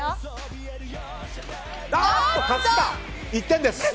１点です。